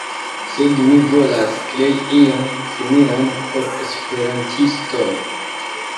Sed mi volas krei ion similan por esperantistoj